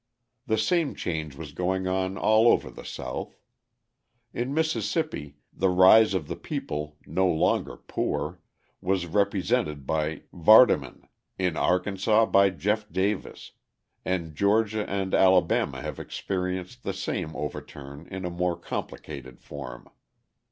The same change was going on all over the South. In Mississippi the rise of the people (no longer poor) was represented by Vardaman, in Arkansas by Jeff Davis, and Georgia and Alabama have experienced the same overturn in a more complicated form.